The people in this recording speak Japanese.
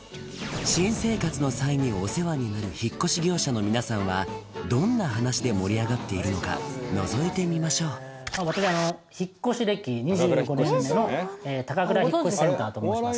新生活の際にお世話になる引越し業者の皆さんはどんな話で盛り上がっているのかのぞいてみましょう私引越し歴２５年目のたかくら引越センターと申します